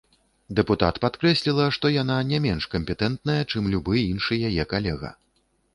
Дэпутат падкрэсліла, што яна не менш кампетэнтная, чым любы іншы яе калега.